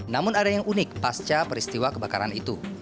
namun ada yang unik pasca peristiwa kebakaran itu